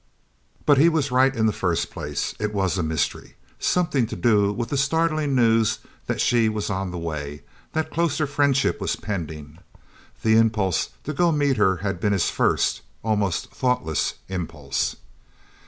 But he was right in the first place. It was a mystery something to do with the startling news that she was on the way, that closer friendship was pending. The impulse to go meet her had been his first, almost thoughtless impulse.